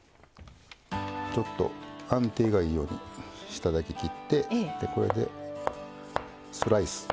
ちょっと安定がいいように下だけ切ってこれでスライス。